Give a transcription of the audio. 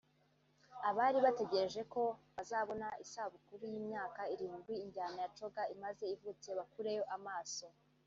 Abari bategereje ko bazabona isabukuru y’imyaka irindwi injyana ya Coga imaze ivutse bakureyo amaso